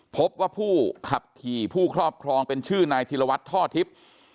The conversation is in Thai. พบว่าผู้ขับขี่ผู้ครอบครองเป็นชื่อนายธิรวัตรท่อทิพย์